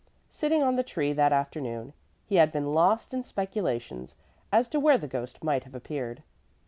Sitting on the tree that afternoon, he had been lost in speculations as to where the ghost might have appeared.